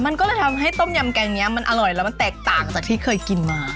มันก็เลยทำให้ต้มยำแกงนี้มันอร่อยแล้วมันแตกต่างจากที่เคยกินมา